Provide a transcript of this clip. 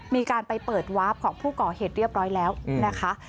มีการไปเปิดวาร์ฟของผู้ก่อเหตุเรียบร้อยแล้วนะคะ